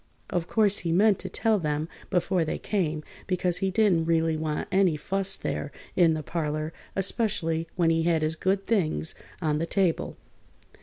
Of course he meant to tell them before they came, because he didn't really want any fuss there in the parlor, especially when he had his good things on the table.